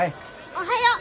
おはよう。